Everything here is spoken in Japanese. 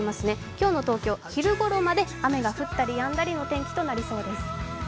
今日の東京、昼ごろまで雨が降ったりやんだりの天気となりそうです。